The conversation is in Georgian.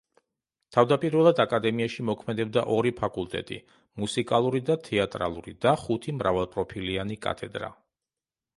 თავდაპირველად აკადემიაში მოქმედებდა ორი ფაკულტეტი: მუსიკალური და თეატრალური და ხუთი მრავალპროფილიანი კათედრა.